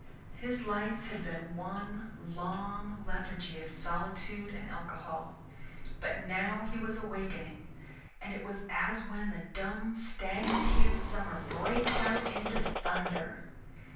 His life had been one long lethargy of solitude and alcohol, but now he was awakening, and it was as when the dumb stagnant heat of summer breaks out into thunder.